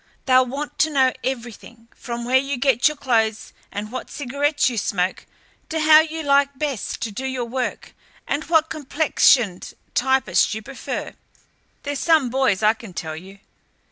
They'll want to know everything, from where you get your clothes and what cigarettes you smoke, to how you like best to do your work and what complexioned typist you prefer. They're some boys, I can tell you."